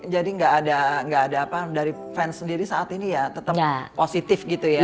jadi enggak ada apa dari fans sendiri saat ini ya tetap positif gitu ya